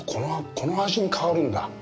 この味に変わるんだ。